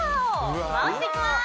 回していきます